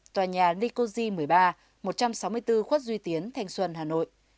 tòa nhà nikoji một mươi ba một trăm sáu mươi bốn khuất duy tiến thành xuân hà nội